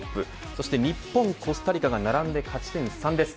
そして、日本、コスタリカが並んで勝ち点３です。